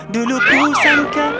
dulu ku sangka